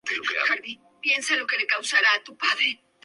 Miembro de la Junta de Directores del Instituto Agrario Dominicano.